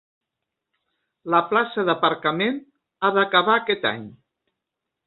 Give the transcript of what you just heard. La plaça d'aparcament ha d'acabar aquest any.